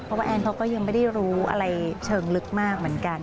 เพราะว่าแอนเขาก็ยังไม่ได้รู้อะไรเชิงลึกมากเหมือนกัน